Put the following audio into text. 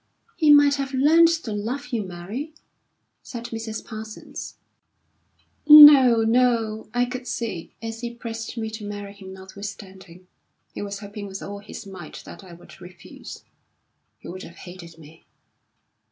"He might have learned to love you, Mary," said Mrs. Parsons. "No, no! I could see, as he pressed me to marry him notwithstanding, he was hoping with all his might that I would refuse. He would have hated me.